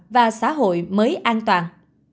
và xã hội mới an toàn